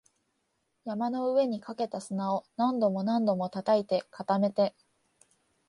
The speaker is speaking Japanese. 山の上にかけた砂を何度も何度も叩いて、固めて